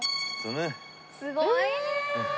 すごいね！